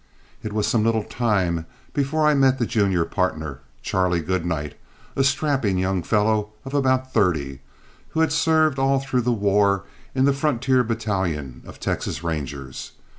It was some little time before I met the junior partner, Charlie Goodnight, a strapping young fellow of about thirty, who had served all through the war in the frontier battalion of Texas Rangers.